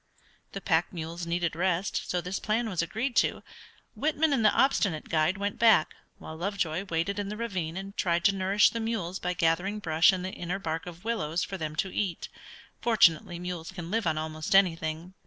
The pack mules needed rest, and so this plan was agreed to. Whitman and the obstinate guide went back, while Lovejoy waited in the ravine and tried to nourish the mules by gathering brush and the inner bark of willows for them to eat. Fortunately mules can live on almost anything.